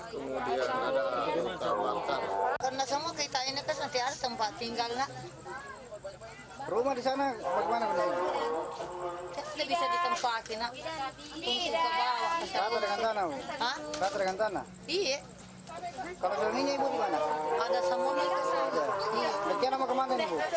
kemudian ada luka luka angkar